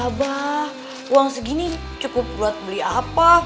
abah uang segini cukup buat beli apa